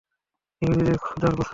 ইহুদীদের খোদার কসম।